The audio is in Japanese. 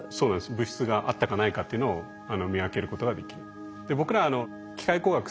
物質があったかないかっていうのを見分けることができる。